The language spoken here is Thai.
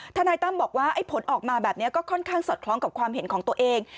ทนายตั้มบอกว่าไอ้ผลออกมาแบบนี้ก็ค่อนข้างสอดคล้องกับความเห็นของตัวเอง